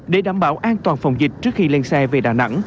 để đảm bảo an toàn phòng dịch trước khi lên xe về đà nẵng